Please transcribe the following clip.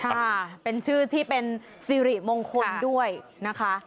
ค่ะเป็นชื่อที่เป็นสิริมงคลด้วยนะคะ